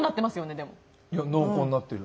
濃厚になってる。